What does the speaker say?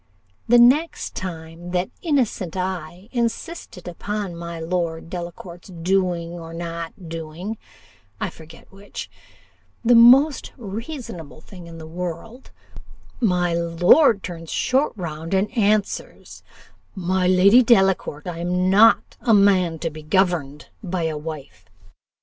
The next time that innocent I insisted upon my Lord Delacour's doing or not doing I forget which the most reasonable thing in the world, my lord turns short round, and answers 'My Lady Delacour, I am not a man to be governed by a wife.